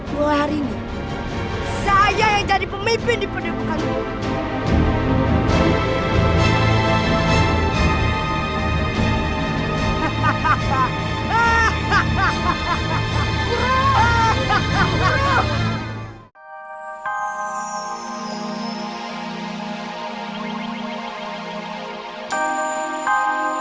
maka hari ini saya yang jadi pemimpin di pendidikan guru